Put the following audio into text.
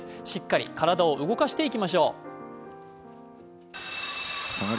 しっかり体を動かしていきましょう。